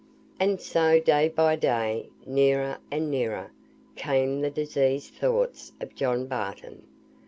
And so day by day, nearer and nearer, came the diseased thoughts of John Barton.